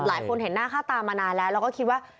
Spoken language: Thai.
หลายคนเห็นหน้าค่าตามานานแล้วแล้วก็คิดว่า